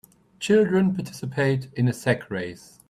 Children participate in a sack race.